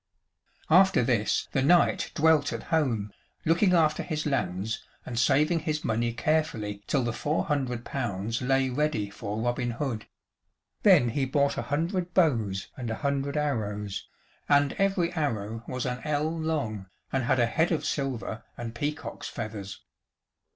After this the knight dwelt at home, looking after his lands and saving his money carefully till the four hundred pounds lay ready for Robin Hood. Then he bought a hundred bows and a hundred arrows, and every arrow was an ell long, and had a head of silver and peacock's feathers.